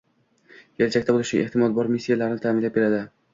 Kelajakda boʻlishi ehtimol bor missiyalarni taʼminlab beradi